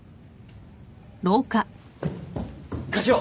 課長。